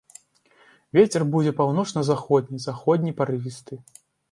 Вецер будзе паўночна-заходні, заходні парывісты.